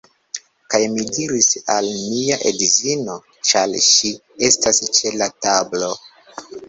Kaj mi diris al mia edzino, ĉar ŝi estas ĉe la tablo: